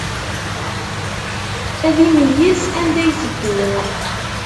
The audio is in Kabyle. Ad imeyyez anda iteddu.